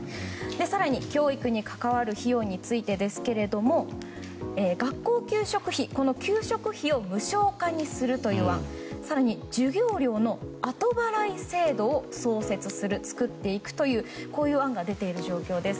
更に、教育に関わる費用についてですが学校給食費、この給食費を無償化にするという案更に、授業料の後払い制度を創設する作っていくという案が出ている状況です。